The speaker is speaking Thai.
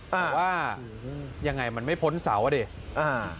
แต่ว่ายังไงมันไม่พ้นเสาอ่ะดิอ่า